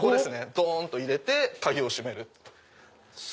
ドンと入れて鍵を閉める。